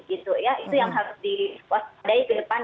itu yang harus diwaspadai ke depan